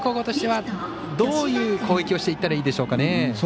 どういう攻撃をしていったらいいでしょうかね。